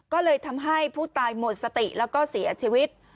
ก็เลยทำให้ผู้ตายหมดสติแล้วก็เสียชีวิต